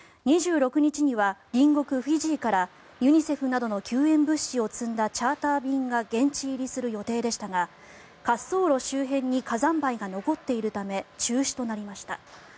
２６日には隣国フィジーからユニセフなどの救援物資を積んだチャーター便が現地入りする予定でしたが滑走路周辺に火山灰が残っているため中止となりました。